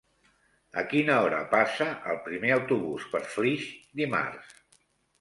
A quina hora passa el primer autobús per Flix dimarts?